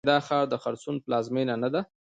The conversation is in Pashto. آیا دا ښار د خرسونو پلازمینه نه ده؟